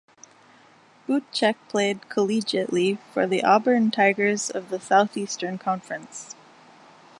Bootcheck played collegiately for the Auburn Tigers of the Southeastern Conference.